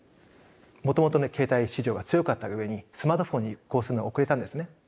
もともと携帯市場が強かったがゆえにスマートフォンに移行するのが遅れたんですね。